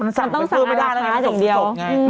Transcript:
มันต้องสั่งอาหารขาดอย่างเดียว